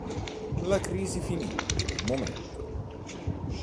La crisi finì per il momento.